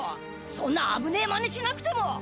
そんな危ねぇマネしなくても。